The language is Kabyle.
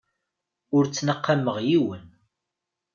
Ur ttnaqameɣ yiwen.